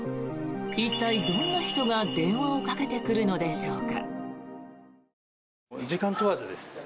一体、どんな人が電話をかけてくるのでしょうか。